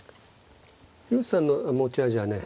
広瀬さんの持ち味はね